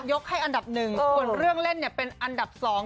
ให้อันดับหนึ่งส่วนเรื่องเล่นเนี่ยเป็นอันดับสอง